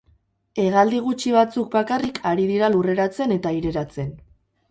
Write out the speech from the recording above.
Hegaldi gutxi batzuk bakarrik ari dira lurreratzen eta aireratzen.